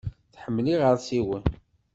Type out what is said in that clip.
Tḥemmel iɣersiwen.